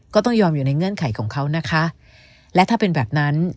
ก็ต้องยอมอยู่ในเงื่อนไขของเขานะคะและถ้าเป็นแบบนั้น